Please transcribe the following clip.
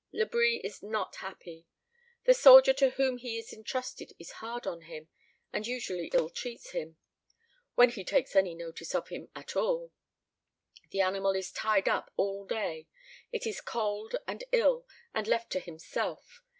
Labri is not happy. The soldier to whom he is entrusted is hard on him, and usually ill treats him when he takes any notice of him at all. The animal is tied up all day. He is cold and ill and left to himself.